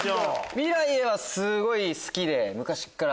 『未来へ』はすごい好きで昔から。